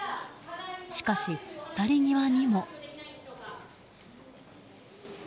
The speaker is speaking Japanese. しかし、去り際にも。